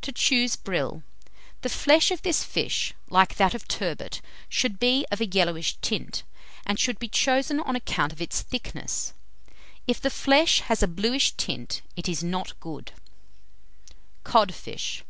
TO CHOOSE BRILL. The flesh of this fish, like that of turbot, should be of a yellowish tint, and should be chosen on account of its thickness. If the flesh has a bluish tint, it is not good. CODFISH.